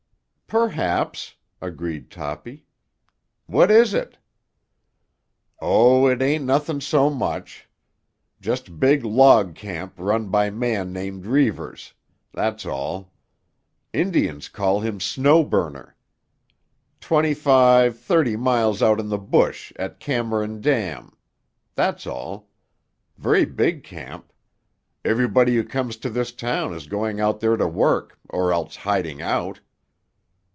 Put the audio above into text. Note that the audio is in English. "Perhaps," agreed Toppy. "What is it?" "Oh, it ain't nothing so much. Just big log camp run by man named Reivers—that's all. Indians call him Snow Burner. Twenty five, thirty miles out in the bush, at Cameron Dam. That's all. Very big camp. Everybody who comes to this town is going out there to work, or else hiding out."